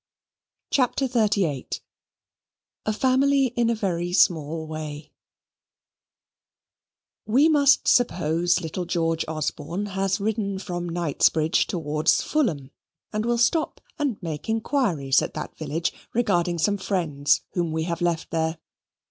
CHAPTER XXXVIII A Family in a Very Small Way We must suppose little George Osborne has ridden from Knightsbridge towards Fulham, and will stop and make inquiries at that village regarding some friends whom we have left there.